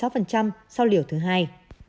và một mươi sáu sau liều thứ hai